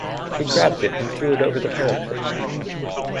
He grabbed it and threw it over the parapet.